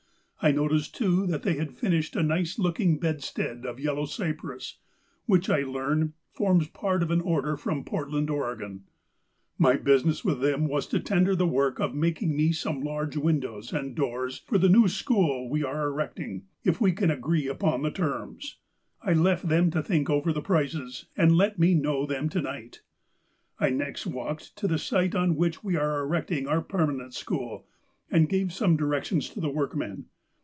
I noticed, too, that they had finished a nice look ing bedstead of yellow cypress, which, I learn, forms part of an order from Portland, Oregon. " My business with them was to tender the work of making me some large windows and doors for the new school we are erect ing, — if we can agree upon the terms. I left them to think over the prices, and let me know them to night. " I next walked to the site on which we are erecting our per manent school, and gave some directions to the workmen.